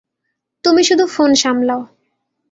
তুমি শুধু ফোন সামলাও।